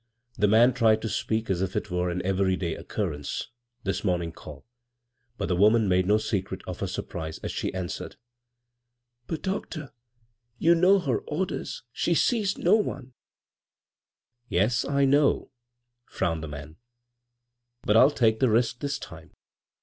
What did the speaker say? The man tried to speak as U it were an every day occurrence — this m<Kn ing call ; but the woman made no secret <A her surprise as she :^.iiswered :" But, doctor, you know her orders — she sees no one 1 "" Yes, I know,'' frowned the man. " But I'll take the risk this time.